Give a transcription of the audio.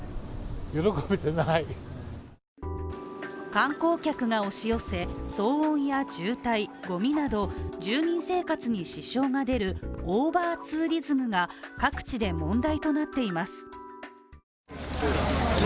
観光客が押し寄せ、騒音や渋滞、ごみなど住民生活に支障が出るオーバーツーリズムが各地で問題となっています。